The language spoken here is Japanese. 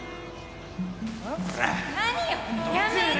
何よやめて！